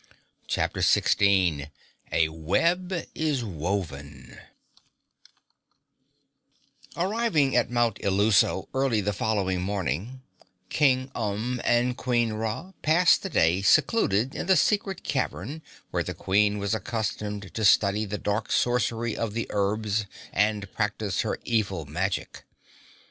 CHAPTER 16 A Web Is Woven Arriving at Mount Illuso early the following morning, King Umb and Queen Ra passed the day secluded in the secret cavern where the Queen was accustomed to study the dark sorcery of the Erbs and practice her evil magic.